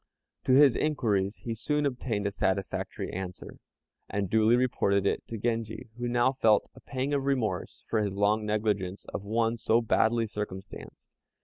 To his inquiries he soon obtained a satisfactory answer, and duly reported it to Genji, who now felt a pang of remorse for his long negligence of one so badly circumstanced.